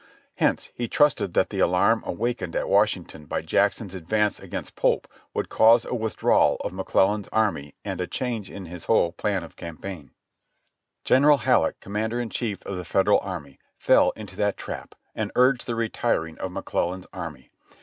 Hence, he trusted that the alarm awakened at Washington by Jackson's advance against Pope would cause a withdrawal of McClellan's army and a change in his whole plan of campaign. 2T^2 JOHNNY REB AND BI1.LY YANK General Halleck, commander in chief of the Federal Army, fell into that trap, and urged the retiring of McClellan's army.